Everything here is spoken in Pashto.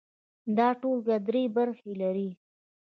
دا ټولګه درې برخې لري.